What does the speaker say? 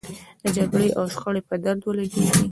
د جګړې او شخړې په درد ولګېږي.